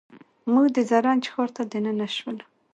موږ د زرنج ښار ته دننه شولو.